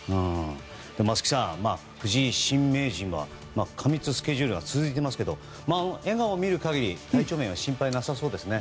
松木さん、藤井新名人は過密スケジュールが続いていますけど笑顔を見る限り体調面は心配なさそうですね。